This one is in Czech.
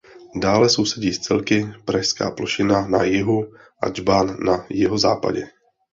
Dále sousedí s celky Pražská plošina na jihu a Džbán na jihozápadě.